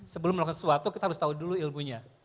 sebelum melakukan sesuatu kita harus tahu dulu ilmunya